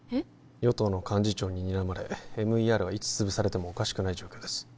与党の幹事長ににらまれＭＥＲはいつ潰されてもおかしくない状況です